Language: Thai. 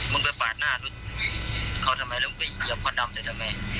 มึงไปปาดหน้ารถเขาทำไมแล้วมึงไปเหยียบควันดำเลยทำไม